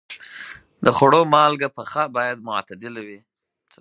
د خوړو مالګه پخه باید معتدله وي.